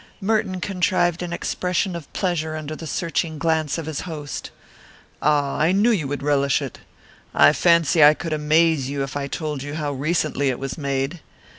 Merton contrived an expression of pleasure under the searching glance of his host. "Ah, I knew you would relish it. I fancy I could amaze you if I told you how recently it was made.